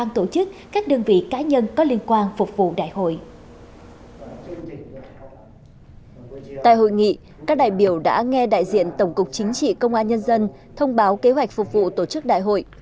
tại hội nghị các đại biểu đã nghe đại diện tổng cục chính trị công an nhân dân thông báo kế hoạch phục vụ tổ chức đại hội